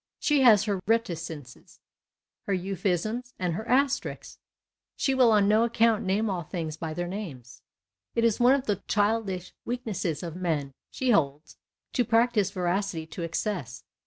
She has her reticences, her euphemisms, and her asterisks. She will on no account name all things by their names. It is one of the childish weak nesses of men, she holds, to practise veracity to excess.